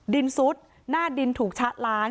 ซุดหน้าดินถูกชะล้าง